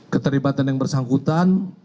keterlibatan yang bersangkutan